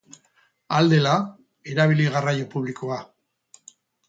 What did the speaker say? Ahal dela, erabili garraio publikoa.